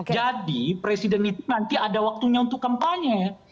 jadi presiden itu nanti ada waktunya untuk kampanye